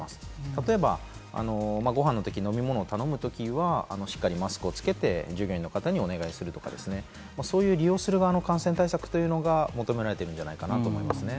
例えば、ご飯の時に飲み物を頼むときはしかりマスクをつけて従業員の方にお願いするとか、利用する側の感染対策というのが求められているんじゃないかなと思いますね。